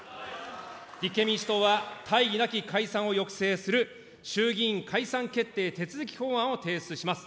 立憲民主党は、大義なく解散を抑制する衆議院解散決定手続法案を提出します。